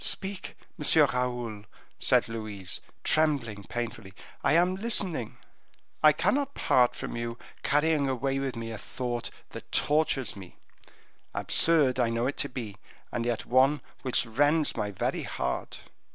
"Speak, Monsieur Raoul," said Louise, trembling painfully, "I am listening." "I cannot part from you, carrying away with me a thought that tortures me; absurd I know it to be, and yet one which rends my very heart."